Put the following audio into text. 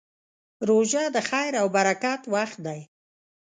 روژه د خیر او برکت وخت دی.